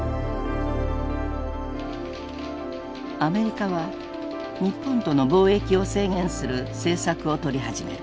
アメリカは日本との貿易を制限する政策をとり始める。